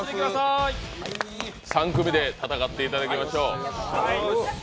３組で戦っていただきましょう。